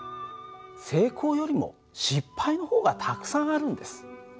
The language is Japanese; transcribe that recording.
成功よりも失敗の方がたくさんあるんです。